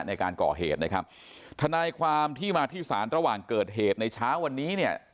ในการก่อเหตุนะครับทนายความที่มาที่ศาลระหว่างเกิดเหตุในเช้าวันนี้เนี่ย